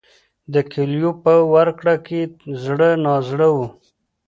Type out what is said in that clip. د کیلیو په ورکړه کې زړه نازړه و.